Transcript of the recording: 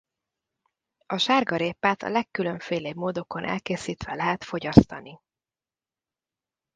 A sárgarépát a legkülönfélébb módokon elkészítve lehet fogyasztani.